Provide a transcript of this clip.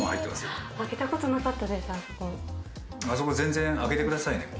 「あそこ全然開けてくださいね」